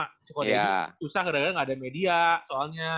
sih kok udah susah gara gara gak ada media soalnya